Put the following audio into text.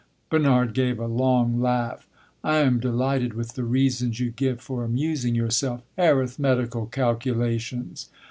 Bernard gave a long laugh. "I am delighted with the reasons you give for amusing yourself! Arithmetical calculations!"